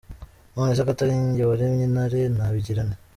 Nonese ko atari njye waremye intare, nabigira nte?”.